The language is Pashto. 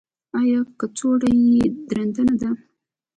ایا کڅوړه یې درنده نه ده؟